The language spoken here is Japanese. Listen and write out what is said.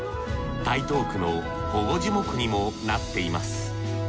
台東区の保護樹木にもなっています。